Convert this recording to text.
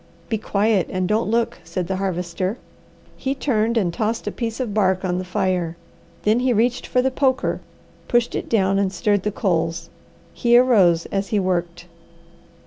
"Be quiet and don't look," said the Harvester. He turned and tossed a piece of bark on the fire. Then he reached for the poker, pushed it down and stirred the coals. He arose as he worked.